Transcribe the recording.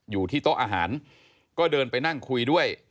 อยู่ที่โต๊ะอาหารก็เดินไปนั่งคุยด้วย